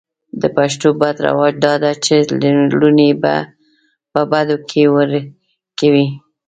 د پښتو بد رواج دا ده چې لوڼې په بدو کې ور کوي.